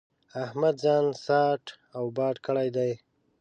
احمد ځان ساټ و باټ کړی دی.